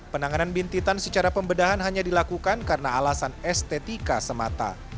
penanganan bintitan secara pembedahan hanya dilakukan karena alasan estetika semata